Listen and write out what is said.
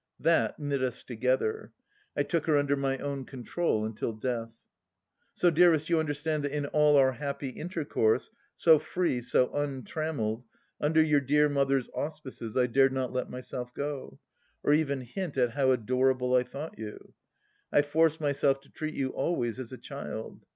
That knit us together. I took her under my own control until death. " So, dearest, you understand that in all our happy inter course, so free, so untrammelled, under your dear mother's auspices, I dared not let myself go, or even hint at how ador able I thought you. I forced myself to treat you always as a child.